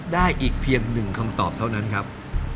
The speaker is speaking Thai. ได้อีกเพียง๑คำตอบเท่านั้นครับ